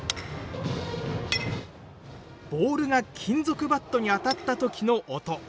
ボールが金属バットに当たった時の音。